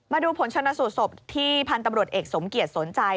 มาดูผลชนะสูตรศพที่พันธุ์ตำรวจเอกสมเกียจสนใจ